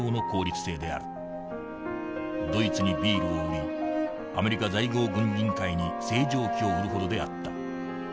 ドイツにビールを売りアメリカ在郷軍人会に星条旗を売るほどであった。